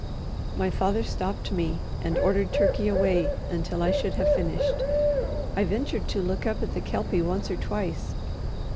My father stopped me, and ordered Turkey away until I should have finished. I ventured to look up at the Kelpie once or twice.